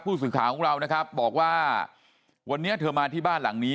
สื่อข่าวของเรานะครับบอกว่าวันนี้เธอมาที่บ้านหลังนี้